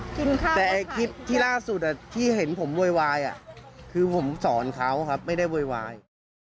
และอย่างที่นี่สุดให้ให้น้องเปียกบ่อยที่เห็นว่าผมเววายคือผมสอนเขาค่ะไม่ได้เววาย